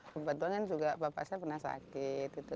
kebetulan kan juga bapak saya pernah sakit gitu